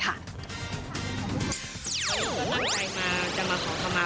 เขาตั้งใจมาจะมาขอคำมา